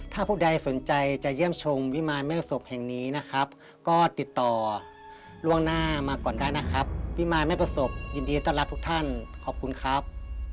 ถ้าผู้ใดสนใจจะเยี่ยมชมวิมารแม่ศพแห่งนี้นะครับก็ติดต่อล่วงหน้ามาก่อนได้นะครับพี่มายไม่ประสบยินดีต้อนรับทุกท่านขอบคุณครับ